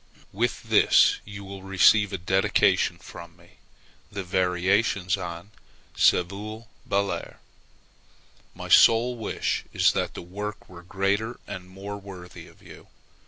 With this you will receive a dedication from me [the variations on "Se vuol ballare"]. My sole wish is that the work were greater and more worthy of you.